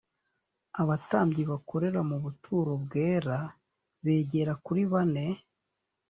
abatambyi bakorera mu buturo bwera begera kuri bane